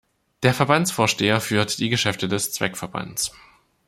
Der Verbandsvorsteher führt die Geschäfte des Zweckverbands.